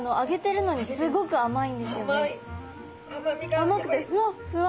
甘くてふわっふわ！